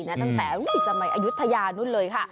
ตั้งแต่อายุทธยานุ่นเลย